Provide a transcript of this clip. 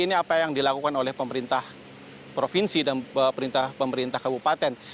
ini apa yang dilakukan oleh pemerintah provinsi dan pemerintah pemerintah kabupaten